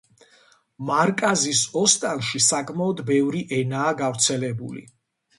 მარკაზის ოსტანში საკმაოდ ბევრი ენაა გავრცელებული.